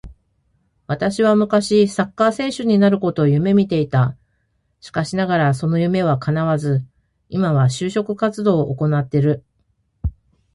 私は昔サッカー選手になることを夢見ていた。しかしながらその夢は叶わず、今は就職活動を行ってる。